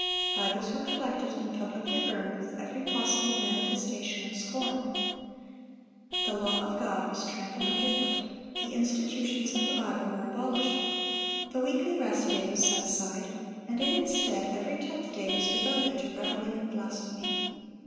Bibles were collected and publicly burned with every possible manifestation of scorn. The law of God was trampled under foot. The institutions of the Bible were abolished. The weekly rest day was set aside, and in its stead every tenth day was devoted to reveling and blasphemy.